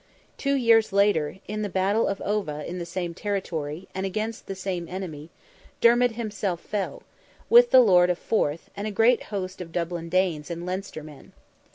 Two years later, in the battle of Ova, in the same territory, and against the same enemy, Dermid himself fell, with the lord of Forth, and a great host of Dublin Danes and Leinster men.